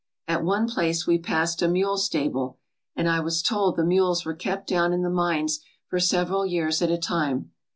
At one place we passed a mule stable, and I was told the mules were kept down in the mines for several years at a time.